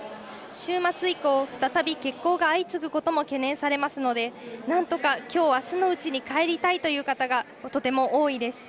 週末以降、再び欠航が相次ぐことも懸念されますので、なんとかきょう、あすのうちに帰りたいという方がとても多いです。